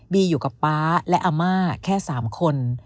อยู่กับป๊าและอาม่าแค่๓คน